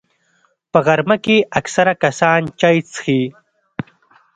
په غرمه کې اکثره کسان چای څښي